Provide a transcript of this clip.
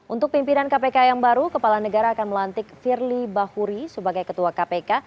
untuk pimpinan kpk yang baru kepala negara akan melantik firly bahuri sebagai ketua kpk